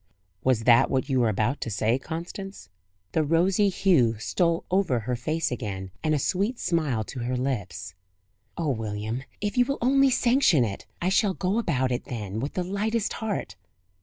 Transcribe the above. "Was that what you were about to say, Constance?" The rosy hue stole over her face again, and a sweet smile to her lips: "Oh, William, if you will only sanction it! I shall go about it then with the lightest heart!"